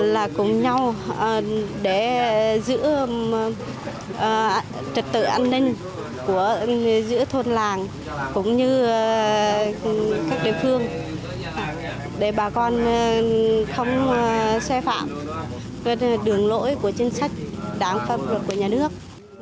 là cùng nhau để giữ trật tự an ninh giữa thôn làng cũng như các địa phương để bà con không xe phạm về đường lỗi của chính sách đáng pháp luật của nhà nước